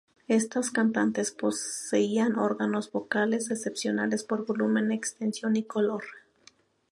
Estas cantantes poseían órganos vocales excepcionales por volumen, extensión y color.